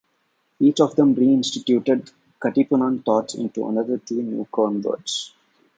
Each of them re-instituted Katipunan thoughts into another two new converts.